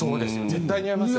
絶対似合いますよね。